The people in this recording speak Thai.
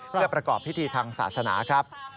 เพื่อประกอบพิธีทางศาสนาครับ